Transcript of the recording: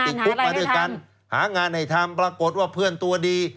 หางานหาอะไรให้ทำหางานให้ทำปรากฏว่าเพื่อนตัวดี